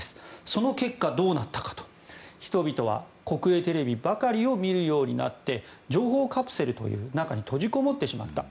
その結果どうなったかというと人々は国営テレビばかりを見るようになって情報カプセルという中に閉じこもってしまった。